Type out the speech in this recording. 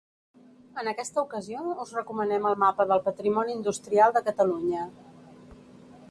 En aquesta ocasió us recomanem el Mapa del Patrimoni Industrial de Catalunya.